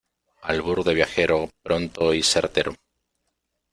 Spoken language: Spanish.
albur de viajero, pronto y certero.